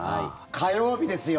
火曜日ですよ。